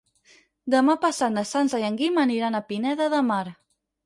Demà passat na Sança i en Guim aniran a Pineda de Mar.